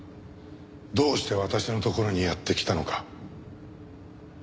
どうして私のところにやって来たのか。